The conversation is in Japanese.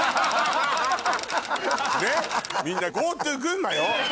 ねっみんなＧｏＴｏ群馬よ。